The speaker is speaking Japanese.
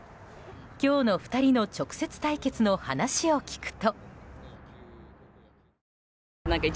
今日の２人の直接対決の話を聞くと。